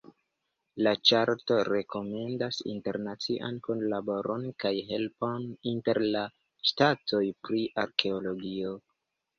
La ĉarto rekomendas internacian kunlaboron kaj helpon inter la ŝtatoj pri arkeologio.